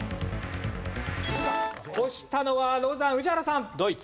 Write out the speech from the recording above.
押したのはロザン宇治原さん。